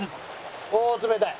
おおー冷たい！